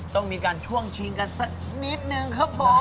ต้องมีการช่วงชิงกันสักนิดนึงครับผม